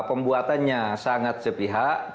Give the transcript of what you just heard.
pembuatannya sangat sepihak